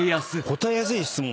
答えやすい質問？